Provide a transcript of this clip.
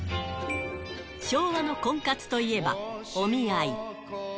昭和の婚活といえば、お見合い。